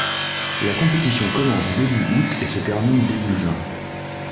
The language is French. La compétition commence début août et se termine début juin.